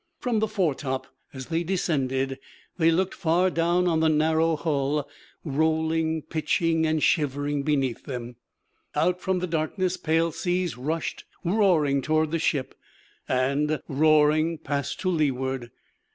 From the foretop, as they descended, they looked far down on the narrow hull, rolling, pitching, and shivering, beneath them. Out from the darkness pale seas rushed, roaring, toward the ship; and, roaring, passed to leeward.